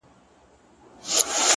o گراني فريادي دي بـېــگـــاه وويل،